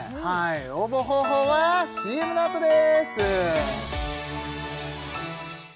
応募方法はＣＭのあとです